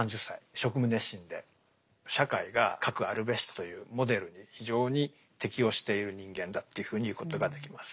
職務熱心で社会がかくあるべしというモデルに非常に適応している人間だというふうに言うことができます。